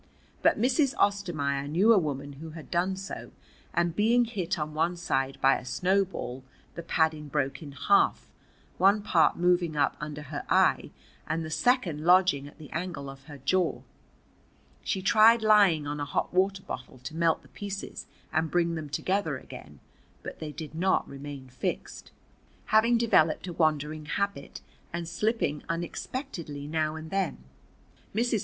But Mrs. Ostermaier knew a woman who had done so, and being hit on one side by a snowball, the padding broke in half, one part moving up under her eye and the second lodging at the angle of her jaw. She tried lying on a hot water bottle to melt the pieces and bring them together again, but they did not remain fixed, having developed a wandering habit and slipping unexpectedly now and then. Mrs.